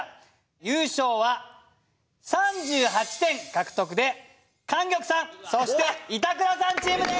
優勝は３８点獲得で莟玉さんそして板倉さんチームです！